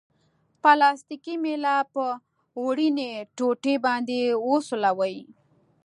پلاستیکي میله په وړیني ټوټې باندې وسولوئ.